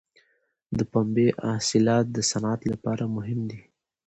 د پنبې حاصلات د صنعت لپاره مهم دي.